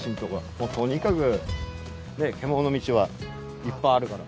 もうとにかくけもの道はいっぱいあるから。